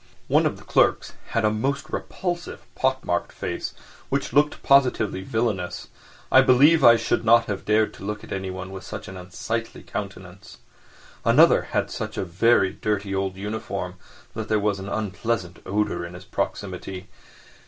One of the clerks had a most repulsive, pock marked face, which looked positively villainous. I believe I should not have dared to look at anyone with such an unsightly countenance. Another had such a very dirty old uniform that there was an unpleasant odour in his proximity.